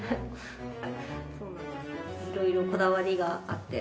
いろいろこだわりがあって。